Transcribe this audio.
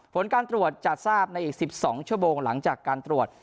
ผลการตรวจจะทราบในอีก๑๒ชั่วโมงหลังจากการตรวจ